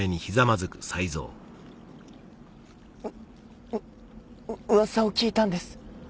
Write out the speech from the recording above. うう噂を聞いたんです